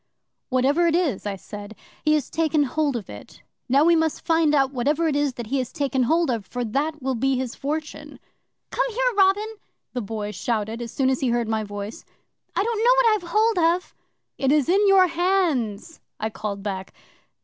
'"Whatever it is," I said, "he has taken hold of it. Now we must find out whatever it is that he has taken hold of, for that will be his fortune." '"Come here, Robin," the Boy shouted, as soon as he heard my voice. "I don't know what I've hold of." '"It is in your hands," I called back.